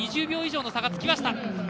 ２０秒以上の差がつきました。